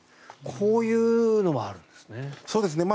こういうのもあるんですね。